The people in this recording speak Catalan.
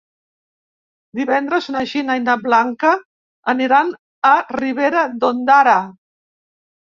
Divendres na Gina i na Blanca aniran a Ribera d'Ondara.